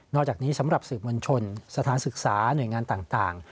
อกจากนี้สำหรับสื่อมวลชนสถานศึกษาหน่วยงานต่าง